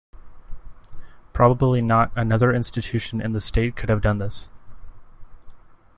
Probably not another institution in the State could have done this.